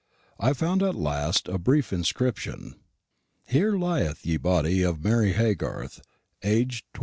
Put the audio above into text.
I found at last a brief inscription: "Here lieth ye body of MARY HAYGARTH, aged 27.